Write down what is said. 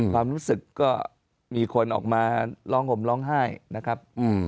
ความรู้สึกก็มีคนออกมาร้องห่มร้องไห้นะครับ